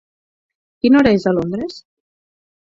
Quina hora és a Londres?